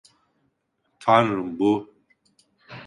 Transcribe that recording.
Tanrım, bu…